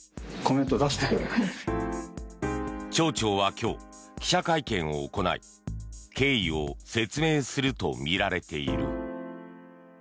町長は今日、記者会見を行い経緯を説明するとみられている。